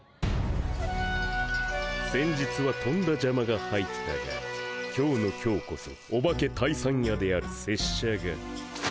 先日はとんだじゃまが入ったが今日の今日こそオバケ退散やである拙者が。